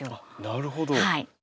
なるほど！